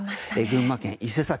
群馬県伊勢崎。